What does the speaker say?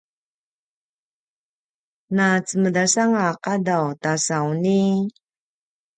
na cemedas a qadaw ta sauni?